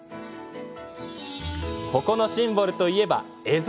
ここのシンボルといえば蝦夷